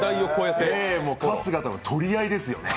春日との取り合いですよね。